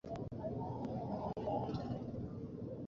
লাভের আশায় হাজার হাজার চাষি ঘরের ধনসম্পদ বন্ধক রেখে লবণ চাষে নেমেছেন।